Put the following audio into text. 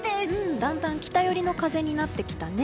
だんだん北寄りの風になってきたね。